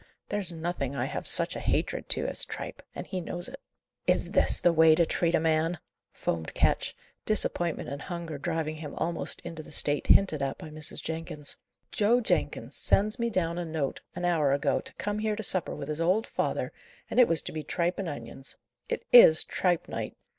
There's nothing I have such a hatred to as tripe; and he knows it." "Is this the way to treat a man?" foamed Ketch, disappointment and hunger driving him almost into the state hinted at by Mrs. Jenkins. "Joe Jenkins sends me down a note an hour ago, to come here to supper with his old father, and it was to be tripe and onions! It is tripe night!"